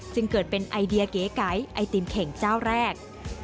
จึงเกิดเป็นไอเดียเก๋ไก๋ไอติมเข่งเจ้าแรก